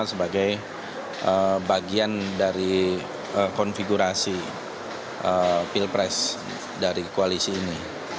sebagai bagian dari konfigurasi pilpres dari koalisi ini